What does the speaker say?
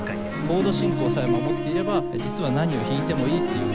コード進行さえ守っていれば実は何を弾いてもいいっていう。